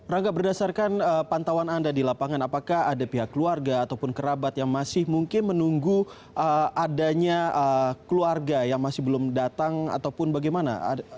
rangga berdasarkan pantauan anda di lapangan apakah ada pihak keluarga ataupun kerabat yang masih mungkin menunggu adanya keluarga yang masih belum datang ataupun bagaimana